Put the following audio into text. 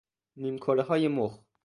نیمکرههای مخ